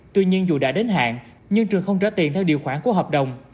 tuy nhiên dù đã đến hạn nhưng trường không trả tiền theo điều khoản của hợp đồng